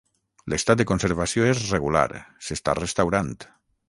L'estat de conservació és regular, s'està restaurant.